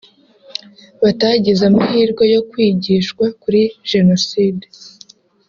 batagize amahirwe yo kwigishwa kuri Jenoside